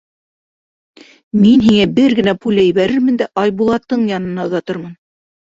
Мин һиңә бер генә пуля ебәрермен дә Айбулатың янына оҙатырмын.